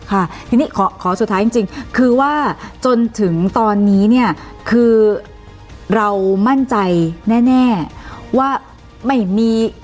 ค่ะทีนี้ขอสุดท้ายจริงคือว่าจนถึงตอนนี้เนี่ยคือเรามั่นใจแน่ว่าไม่มี